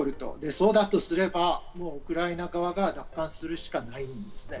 そうだとすればウクライナ側が奪還するしかないんですね。